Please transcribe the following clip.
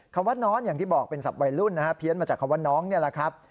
คำว่าน้อนอย่างที่บอกเป็นศัพท์วัยรุ่นนะฮะเพี้ยนมาจากคำว่าน้องนี่แหละครับ